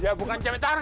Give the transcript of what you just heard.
ya bukan cewek tarzan